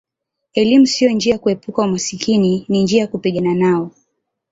Elimu sio njia ya kuepuka umaskini ni njia ya kupigana nao